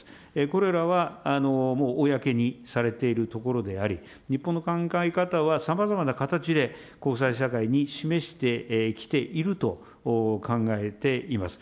これらはもう公にされているところであり、日本の考え方はさまざまな形で国際社会に示してきていると考えています。